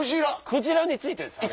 クジラについてるんです。